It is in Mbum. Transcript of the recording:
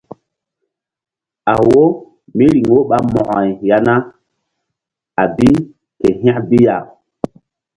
A wo míriŋ wo ɓa Mo̧ko-ay ya na a bi ke hȩk bi ya.